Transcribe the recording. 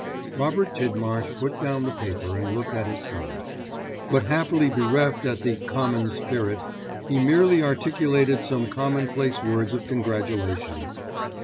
Robert Tidmarsh put down the paper and looked at his son; but happily bereft at the Comic Spirit, he merely articulated some commonplace words of congratulation.